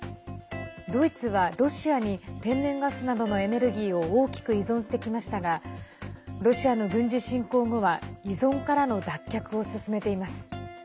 ドイツはロシアに天然ガスなどのエネルギーを大きく依存してきましたがロシアの軍事侵攻後は依存からの脱却を進めています。